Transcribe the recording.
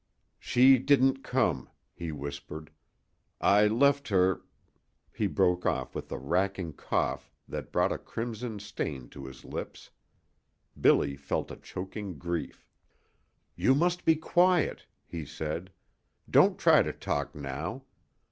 "She didn't come," he whispered. "I left her " He broke off with a racking cough that brought a crimson stain to his lips. Billy felt a choking grief. "You must be quiet," he said. "Don't try to talk now.